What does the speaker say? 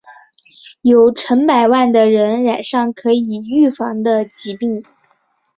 有成百万的人染上可以预防的疾病。